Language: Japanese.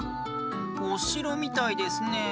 おしろみたいですねえ。